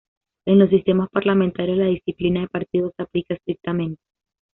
En los sistemas parlamentarios, la disciplina de partido se aplica estrictamente.